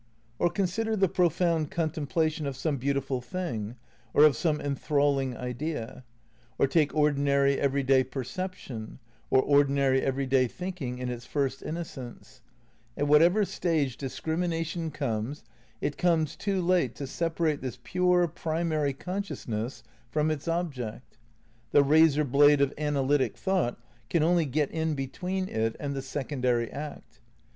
Or consider the profound contemplation of some beautiful thing, or of some enthralling idea; or take ordinary, everyday perception, or ordinary, everyday thinking in its first innocence; at whatever stage dis crimination comes, it comes too late to separate this pure, primary consciousness from its object. The razor blade of analytic thought can only get in between it IX RECONSTRUCTION OF IDEALISM 277 and the secondary act.